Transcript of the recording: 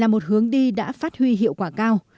một hướng đi đã phát huy hiệu quả cao